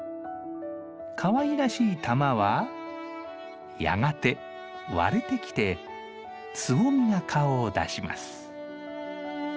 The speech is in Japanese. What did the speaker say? かわいらしい玉はやがて割れてきてつぼみが顔を出します。